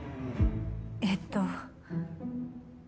えっと。